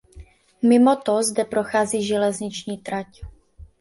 Mimo to zde prochází železniční trať.